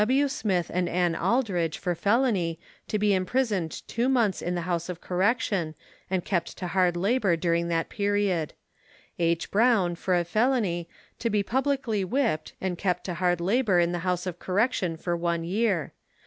W. Smith and Ann Aldridge for felony, to be imprisoned two months in the House of Correction, and kept to hard labour during that period. H. Browne, for a felony, to be publicly whipped, and kept to hard labour in the House of Correction for one year.